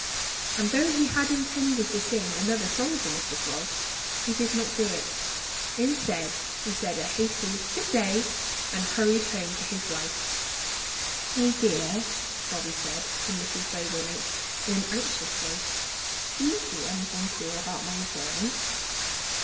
And though he had intended to sing another song for Mr. Frog, he did not do it. Instead he said a hasty good day and hurried home to his wife. "My dear," Bobby said to Mrs. Bobolink in an anxious voice, "do you see anything queer about my appearance?"